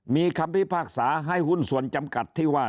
มีคำพิพากษาให้หุ้นส่วนจำกัดที่ว่า